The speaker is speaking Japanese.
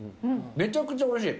めちゃくちゃおいしい。